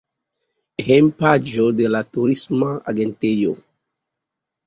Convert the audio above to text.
Hejmpaĝo de la turisma agentejo.